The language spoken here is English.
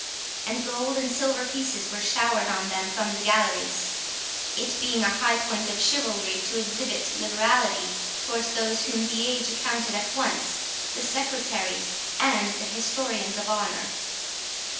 and gold and silver pieces were showered on them from the galleries, it being a high point of chivalry to exhibit liberality towards those whom the age accounted at once the secretaries and the historians of honour.